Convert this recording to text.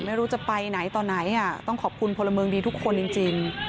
ไม่รู้จะไปไหนต่อไหนต้องขอบคุณพลเมืองดีทุกคนจริง